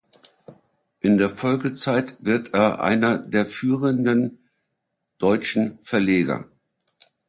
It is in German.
In der Folgezeit wird er einer der führenden deutschen Verleger.